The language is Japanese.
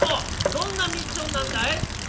どんなミッションなんだい？